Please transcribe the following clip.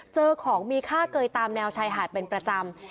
เจอของมีค่าเกยตามแนวชายหาดเป็นประจำ